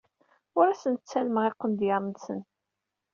Ur asen-ttalmeɣ iqendyar-nsen.